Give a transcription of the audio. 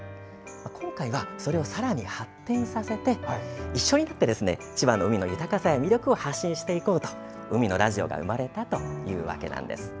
今回は、それをさらに発展させて一緒になって千葉の海の豊かさや魅力を発信していこうと「海のラジオ」が生まれたというわけなんです。